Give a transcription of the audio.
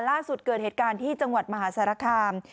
เกิดเหตุการณ์ที่จังหวัดมหาสารคาม